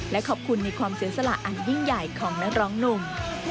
และขอบคุณในความเสียสละอันยิ่งใหญ่ของนักร้องหนุ่ม